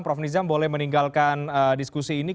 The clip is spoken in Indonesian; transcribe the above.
prof nizam boleh meninggalkan diskusi ini